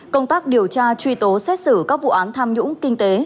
công tác điều tra truy tố xét xử các vụ án tham nhũng kinh tế